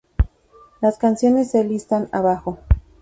Las canciones se listan abajo.